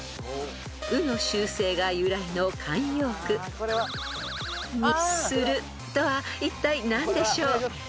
［鵜の習性が由来の慣用句「にする」とはいったい何でしょう？］